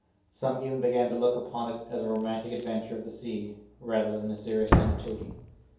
Some even began to look upon it as a romantic adventure of the sea, rather than a serious undertaking.